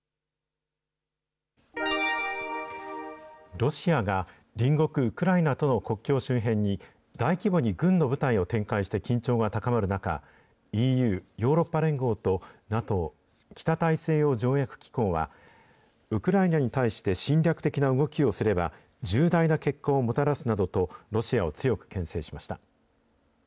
ロシアが、隣国ウクライナとの国境周辺に大規模に軍の部隊を展開して緊張が高まる中、ＥＵ・ヨーロッパ連合とＮＡＴＯ・北大西洋条約機構は、ウクライナに対して侵略的な動きをすれば、重大な結果をもたらすなどとロシアを強くけん制しました。